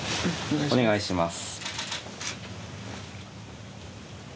お願いします。